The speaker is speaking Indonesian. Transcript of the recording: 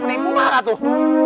penipu marah tuh